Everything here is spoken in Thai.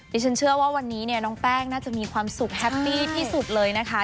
ดิฉันเชื่อว่าวันนี้เนี่ยน้องแป้งน่าจะมีความสุขแฮปปี้ที่สุดเลยนะคะ